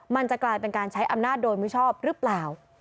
มันจะกลายเป็นการใช้อำนาจโดยมิชอบหรือเปล่า